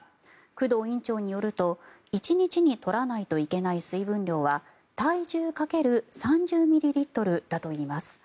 工藤院長によると１日に取らないといけない水分量は体重掛ける３０ミリリットルだといいます。